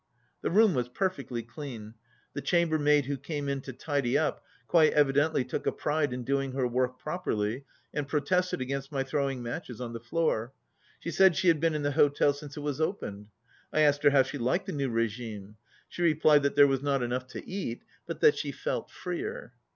The room was perfectly clean. The chamber maid who came in to tidy up quite evidently took a pride in doing her work properly, and protested against my throwing matches on the floor. She said she had been in the hotel since it was opened. I asked her how she liked the new regime. She replied that there was not enough to eat, but that she felt freer.